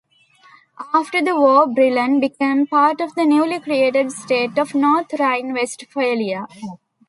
After the war Brilon became part of the newly created state of North Rhine-Westphalia.